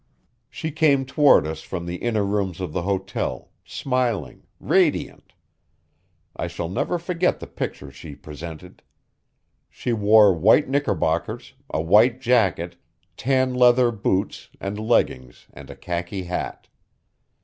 She came toward us from the inner rooms of the hotel, smiling, radiant. I shall never forget the picture she presented. She wore white knickerbockers, a white jacket, tan leather boots and leggings and a khaki hat.